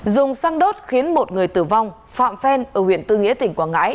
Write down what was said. dùng xăng đốt khiến một người tử vong phạm phen ở huyện tư nghĩa tỉnh quảng ngãi